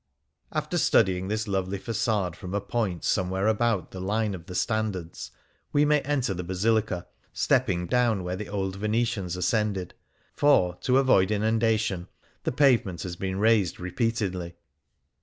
'" After studying this lovely fa(^ade from a point somewhere about the line of the Standards, we may enter the Basilica, stepping down where the old Venetians ascended; for, to avoid inundation, the pavement has been raised re peatedly.